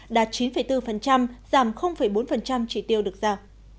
đạt chín bốn giảm bốn trị tiêu được ra